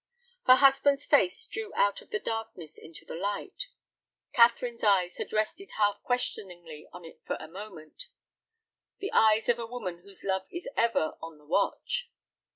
Her husband's face drew out of the darkness into the light. Catherine's eyes had rested half questioningly on it for a moment, the eyes of a woman whose love is ever on the watch.